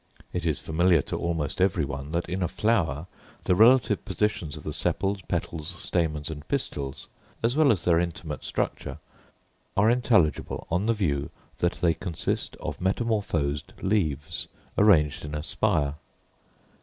It is familiar to almost every one, that in a flower the relative position of the sepals, petals, stamens, and pistils, as well as their intimate structure, are intelligible on the view that they consist of metamorphosed leaves, arranged in a spire.